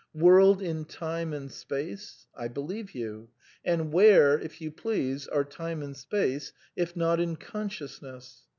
World in time and space ? I believe you ; and where, if you please, are time and space if not in consciousness